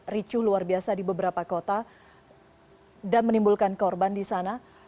ricu luar biasa di beberapa kota dan menimbulkan korban di sana